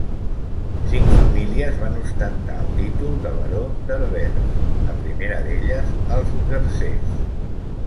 Cinc famílies van ostentar el títol de Baró d'Herbers, la primera d'elles els Garcés.